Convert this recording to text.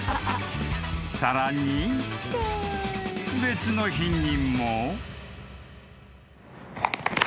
［さらに別の日にも］